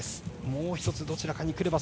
もう１つどちらかに来れば